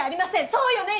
そうよね？